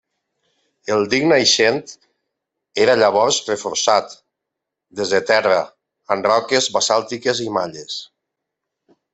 El dic naixent era llavors reforçat des de terra amb roques basàltiques i malles.